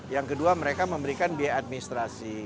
yang kedua mereka memberikan biaya administrasi